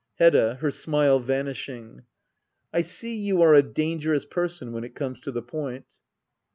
Hedda. [Her smile vanishing,] I see you are a dangerous person — when it comes to the point.